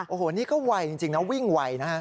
โอ้โหนี่ก็ไวจริงนะวิ่งไวนะฮะ